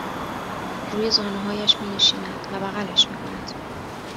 روی زانوهایش مینشیند و بغلش میکند